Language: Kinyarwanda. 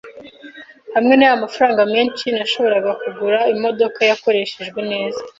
Hamwe naya mafranga menshi, nashoboraga kugura imodoka yakoreshejwe neza.